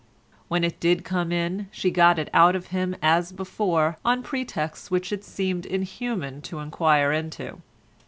When it did come in she got it out of him as before on pretexts which it seemed inhuman to inquire into.